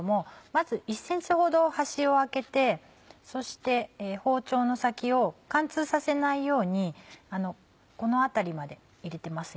まず１ｃｍほど端をあけてそして包丁の先を貫通させないようにこの辺りまで入れてます